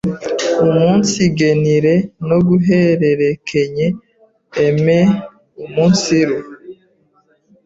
umunsigenire no guhererekenye emeumunsiru